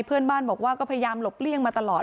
เพื่อนบ้านบอกว่าก็พยายามหลบเลี่ยงมาตลอด